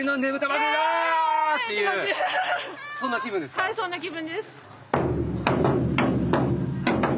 はいそんな気分です。